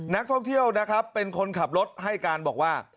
นักท่องเที่ยวนะครับเป็นคนขับรถให้การบอกว่า